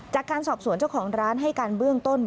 จากการสอบสวนเจ้าของร้านให้การเบื้องต้น